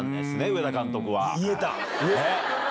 上田監督は。